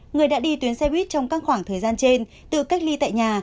người đã đi tuyến xe buýt trong các khoảng thời gian trên tự cách ly tại nhà